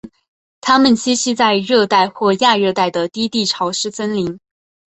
它们栖息在热带或亚热带的低地潮湿森林。